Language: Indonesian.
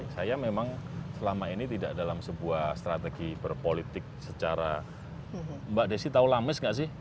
saya memang selama ini tidak dalam sebuah strategi berpolitik secara mbak desi tahu lames nggak sih